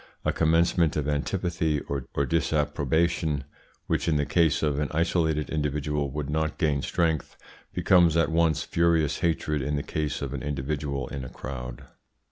A commencement of antipathy or disapprobation, which in the case of an isolated individual would not gain strength, becomes at once furious hatred in the case of an individual in a crowd.